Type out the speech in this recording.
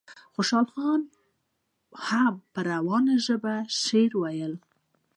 خوشحال خان هم په روانه ژبه شعر ویلی.